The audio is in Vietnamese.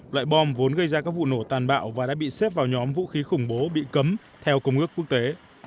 loại bom vốn gây ra các vụ nổ tàn bạo và đã bị xếp vào nhóm vũ khí khủng bố bị cấm theo công ước quốc tế